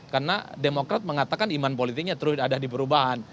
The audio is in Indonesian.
karena demokrat mengatakan iman politiknya terus ada di perubahan